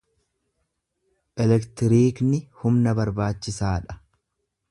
Elektiriikni humna barbaachisaa dha.